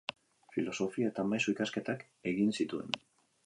Filosofia eta Maisu ikasketak egin zituen.